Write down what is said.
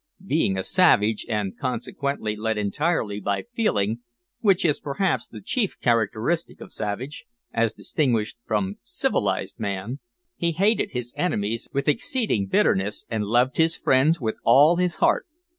Being a savage and, consequently, led entirely by feeling, which is perhaps the chief characteristic of savage, as distinguished from civilised, man, he hated his enemies with exceeding bitterness, and loved his friends with all his heart.